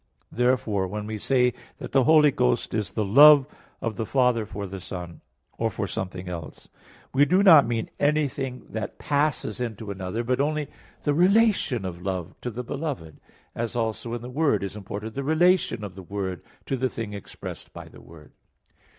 Therefore, when we say that the Holy Ghost is the Love of the Father for the Son, or for something else; we do not mean anything that passes into another, but only the relation of love to the beloved; as also in the Word is imported the relation of the Word to the thing expressed by the Word.